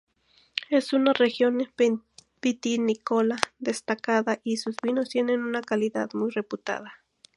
Es una región vitivinícola destacada y sus vinos tienen una calidad muy reputada.